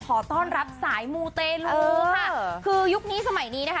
ขอต้อนรับสายมูเตลูค่ะคือยุคนี้สมัยนี้นะคะ